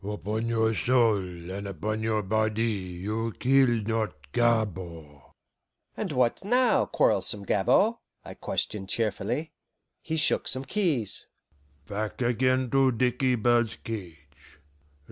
"Upon your soul and upon your body, you killed not Gabord." "And what now, quarrelsome Gabord?" I questioned cheerfully. He shook some keys. "Back again to dickey bird's cage.